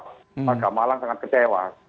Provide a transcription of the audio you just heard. warga malang sangat kecewa